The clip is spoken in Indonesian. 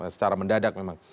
secara mendadak memang